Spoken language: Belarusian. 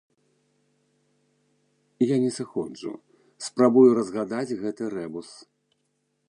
Я не сыходжу, спрабую разгадаць гэты рэбус.